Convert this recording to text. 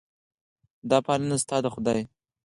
دا پالنه ستا ده خدایه.